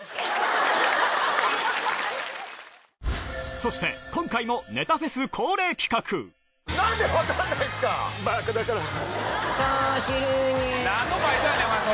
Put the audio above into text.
そして今回もネタフェス恒例なんで分からないんですか？